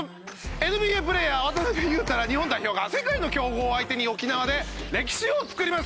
ＮＢＡプレーヤー渡邊雄太ら日本代表が世界の強豪を相手に沖縄で歴史を作ります。